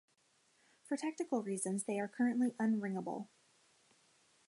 For technical reasons they are currently unringable.